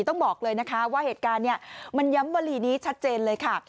ต้องบอกเลยนะคะว่าเหตุการณ์เนี่ยมันย้ำวลีนี้ชัดเจนเลยค่ะ